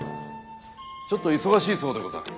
ちょっと忙しいそうでござる。